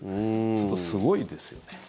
ちょっとすごいですよね。